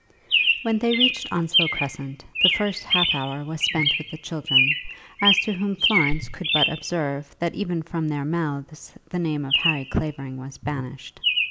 When they reached Onslow Crescent, the first half hour was spent with the children, as to whom Florence could not but observe that even from their mouths the name of Harry Clavering was banished.